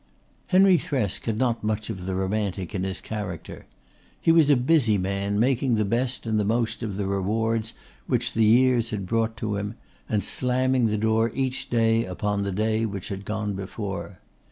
Henry Thresk had not much of the romantic in his character. He was a busy man making the best and the most of the rewards which the years brought to him, and slamming the door each day upon the day which had gone before.